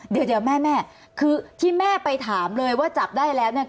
เดี๋ยวแม่คือที่แม่ไปถามเลยว่าจับได้แล้วเนี่ย